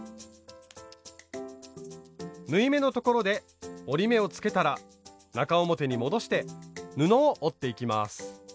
縫い目のところで折り目をつけたら中表に戻して布を折っていきます。